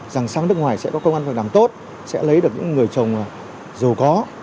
rằng sang nước ngoài sẽ có công an phần đẳng tốt sẽ lấy được những người chồng giàu có